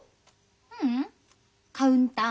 ううんカウンター。